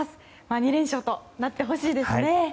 ２連勝となってほしいですね。